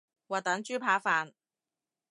滑蛋豬扒飯